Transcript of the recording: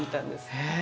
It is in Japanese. へえ。